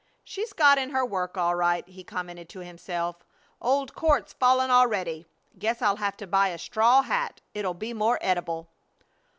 "She's got in her work all right," he commented to himself. "Old Court's fallen already. Guess I'll have to buy a straw hat, it'll be more edible."